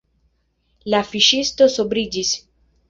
La fiŝisto sobriĝis.